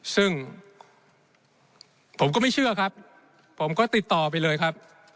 ซึ่งผมก็ไม่เชื่อครับผมก็ติดต่อไปเลยครับ